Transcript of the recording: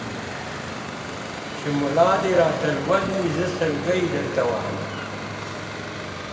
چي مُلا دي راته لولي زه سلګی درته وهمه.